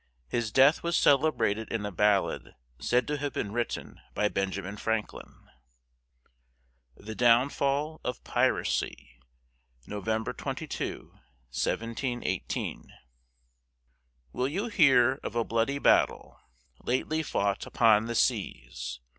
His death was celebrated in a ballad said to have been written by Benjamin Franklin. THE DOWNFALL OF PIRACY [November 22, 1718] Will you hear of a bloody Battle, Lately fought upon the Seas?